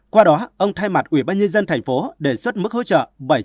qua đó ông thay mặt ubnd tp hcm đề xuất mức hỗ trợ